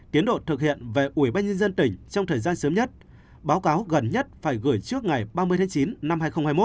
tiến độ thực hiện về ủy ban nhân dân tỉnh trong thời gian sớm nhất báo cáo gần nhất phải gửi trước ngày ba mươi tháng chín năm hai nghìn hai mươi một